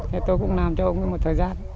thế tôi cũng làm cho ông một thời gian